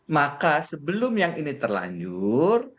maka sebelum yang ini terlanjur